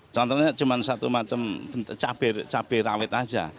contohnya cuma satu macam cabai rawit aja